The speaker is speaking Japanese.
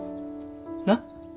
なっ。